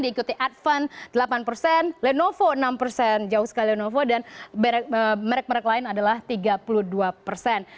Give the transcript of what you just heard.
diikuti advan delapan persen lenovo enam persen jauh sekali lenovo dan merek merek lain adalah tiga puluh dua persen